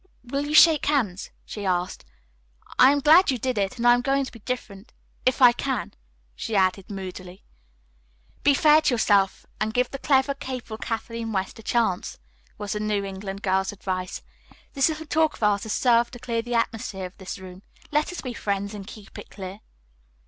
"Will you shake hands?" she asked. "I am glad you did it, and I am going to be different if I can," she added moodily. "Be fair to yourself and give the clever, capable Kathleen West a chance," was the New England girl's advice. "This little talk of ours has served to clear the atmosphere of this room. Let us be friends and keep it clear."